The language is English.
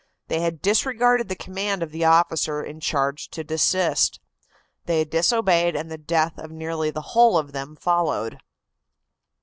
They had disregarded the command of the officer in charge to desist. They disobeyed, and the death of nearly the whole of them followed.